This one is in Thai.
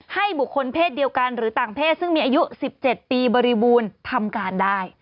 ให้บุคคลเพศเดียวกันหรือต่างเพศซึ่งมีอายุ๑๗ปีบริบูรณ์ทำการได้